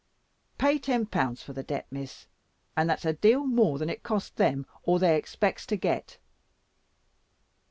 Pay ten pounds for the debt, Miss, and that's a deal more than it cost them or they expects to get.